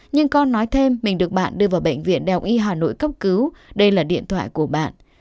nhưng con nói thêm mình được bạn đưa vào bệnh viện đại học y hà nội cấp cứu đây là điện thoại của bạn